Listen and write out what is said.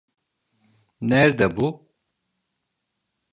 Nerde bu?